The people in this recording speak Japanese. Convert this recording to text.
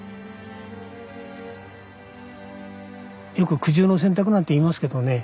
よく苦渋の選択なんて言いますけどね